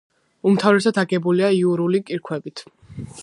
უმთავრესად აგებულია იურული კირქვებით.